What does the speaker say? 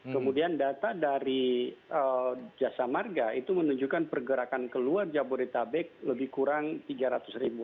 kemudian data dari jasa marga itu menunjukkan pergerakan keluar jabodetabek lebih kurang tiga ratus ribu